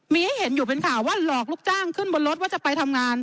มีให้เห็นอยู่เป็นข่าวว่าหลอกลูกจ้างขึ้นบนรถว่าจะไปทำงาน